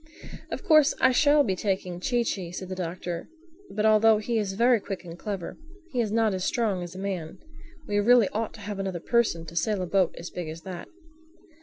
"Of course I shall be taking Chee Chee," said the Doctor. "But although he is very quick and clever, he is not as strong as a man. We really ought to have another person to sail a boat as big as that."